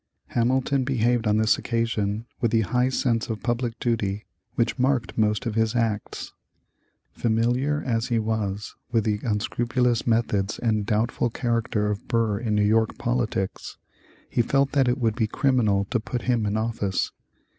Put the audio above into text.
Hamilton behaved on this occasion with the high sense of public duty which marked most of his acts. Familiar as he was with the unscrupulous methods and doubtful character of Burr in New York politics, he felt that it would be criminal to put him in office.